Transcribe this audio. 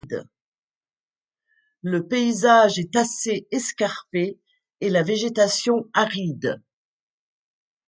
Le paysage est assez escarpé et la végétation aride.